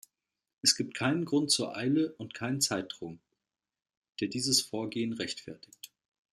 Es gibt keinen Grund zur Eile und keinen Zeitdruck, der dieses Vorgehen rechtfertigt.